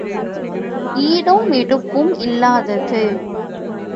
ஈடும் எடுப்பும் இல்லாதது.